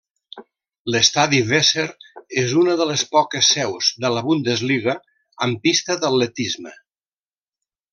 L'estadi Weser és una de les poques seus de la Bundesliga amb pista d'atletisme.